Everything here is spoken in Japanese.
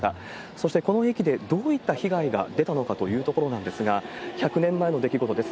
そしてこの駅でどういった被害が出たのかというところなんですが、１００年前の出来事です。